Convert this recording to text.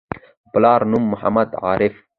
پلار نوم: محمد عارف